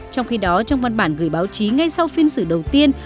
trong khi đó trong văn bản gửi báo chí ngay sau phiên xử đầu tiên